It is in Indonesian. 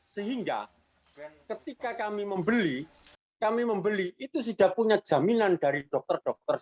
sehingga ketika kami membeli kami membeli itu sudah punya jaminan dari dokter dokter